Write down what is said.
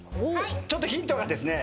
ちょっとヒントがですね